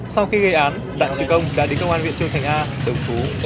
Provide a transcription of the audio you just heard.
sau khi gây án đại sứ công đã đến công an viện châu thành a đồng phú